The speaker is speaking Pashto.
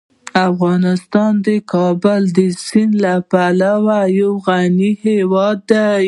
افغانستان د کابل سیند له پلوه یو غني هیواد دی.